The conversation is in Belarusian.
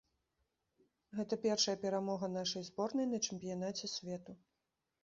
Гэта першая перамога нашай зборнай на чэмпіянаце свету.